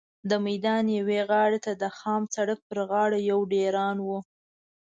د میدان یوې غاړې ته د خام سړک پر غاړه یو ډېران و.